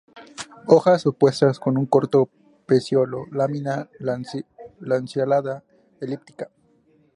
Hojas opuestas con un corto peciolo, lámina lanceolada-elíptica.